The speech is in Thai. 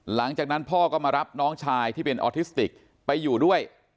หลังจากนั้นพ่อก็มารับน้องชายที่เป็นออทิสติกไปอยู่ด้วย